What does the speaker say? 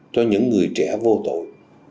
cho những người trẻ vô tội